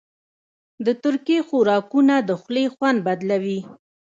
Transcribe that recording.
د ترکي خوراکونه د خولې خوند بدلوي.